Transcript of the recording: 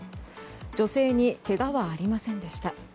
女性にけがはありませんでした。